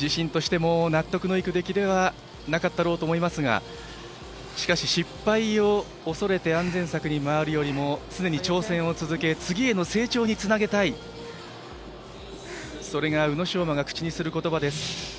自身としても納得のいく出来ではなかったろうと思いますがしかし、失敗を恐れて安全策に回るよりも常に挑戦を続け次への成長につなげたいそれが宇野昌磨が口にする言葉です。